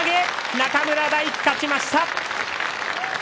中村泰輝、勝ちました。